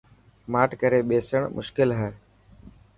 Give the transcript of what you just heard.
ماٺ ڪري ٻيسڻ مشڪل هي.